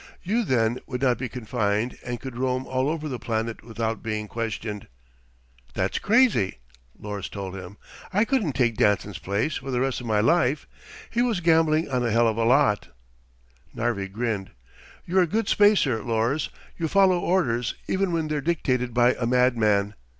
You then, would not be confined and could roam all over the planet without being questioned." "That's crazy," Lors told him. "I couldn't take Danson's place for the rest of my life. He was gambling on a hell of a lot." Narvi grunted. "You're a good spacer, Lors. You follow orders, even when they're dictated by a madman.